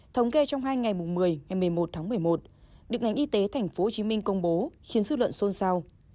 thống kê trong hai ngày một mươi ngày một mươi một tháng một mươi một được ngành y tế tp hcm công bố khiến dư luận xôn xao